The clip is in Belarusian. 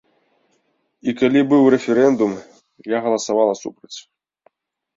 І калі быў рэферэндум, я галасавала супраць.